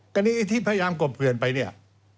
อันนี้ไอ้ที่พยายามกบเกลื่อนไปเนี่ย